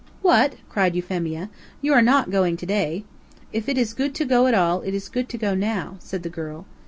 "What!" cried Euphemia. "You are not going to day?" "If it is goot to go at all it is goot to go now," said the girl.